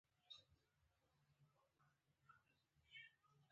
د دویم مشروطیت ځوانانو به خبرې کولې.